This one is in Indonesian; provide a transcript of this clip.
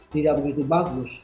tidak begitu bagus